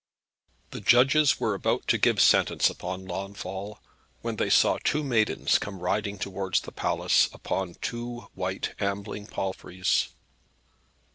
The judges were about to give sentence upon Launfal, when they saw two maidens come riding towards the palace, upon two white ambling palfreys.